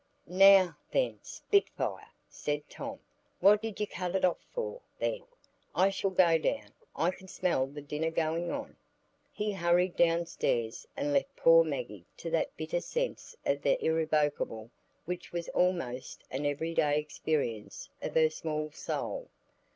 "Now, then, spitfire!" said Tom. "What did you cut it off for, then? I shall go down: I can smell the dinner going in." He hurried downstairs and left poor Maggie to that bitter sense of the irrevocable which was almost an everyday experience of her small soul.